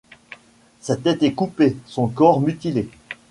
Sa tête est coupée, son corps mutilé.